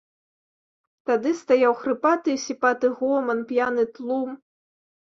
Тады стаяў хрыпаты і сіпаты гоман, п'яны тлум.